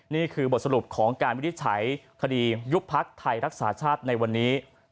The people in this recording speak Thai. นี่คือบทสรุปของการวินิจฉัยคดียุบพักไทยรักษาชาติในวันนี้